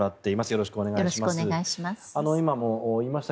よろしくお願いします。